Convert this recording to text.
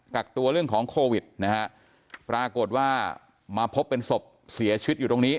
กักตัวเรื่องของโควิดนะฮะปรากฏว่ามาพบเป็นศพเสียชีวิตอยู่ตรงนี้